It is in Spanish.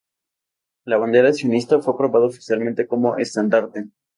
La bandera sionista fue aprobada oficialmente como estandarte.